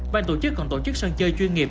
ban tổ chức còn tổ chức sân chơi chuyên nghiệp